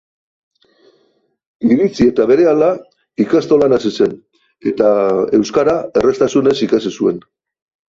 Iritsi eta berehala ikastolan hasi zen, eta euskara erraztasunez ikasi zuen.